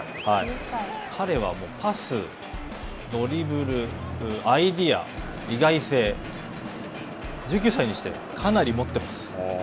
彼はもうパス、ドリブル、アイデア意外性、１９歳にしてはかなり持ってます。